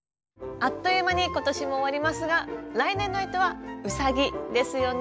あっという間に今年も終わりますが来年の干支はうさぎですよね。